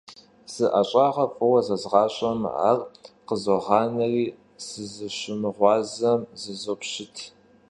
Зы ӀэщӀагъэр фӀыуэ зэзгъащӀэмэ, ар къызогъанэри, сызыщымыгъуазэм зызопщыт.